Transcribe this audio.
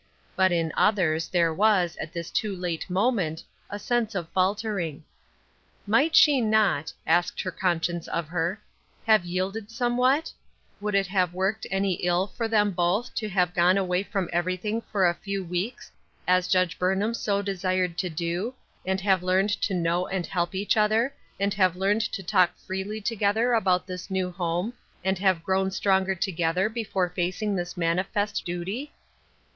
But in others there was, at this too late moment, a sense of faltering. " Might she not," asked her conscience of her, "have jrielded somewhat ? Would it have worked any ill for them both to have gone away from everv Embarrassment and Merriment. 277 body for a few weeks, as Judge Burnham so desired to do, and have learned to know and help each other, and have learned to talk freel} together about this new home, and have grown stronger together, before facing this manifest Hty?"